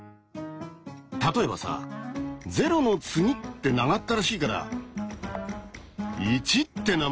例えばさ「０の次」って長ったらしいから「１」って名前付けない？